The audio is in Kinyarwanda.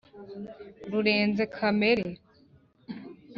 Rurenze kamere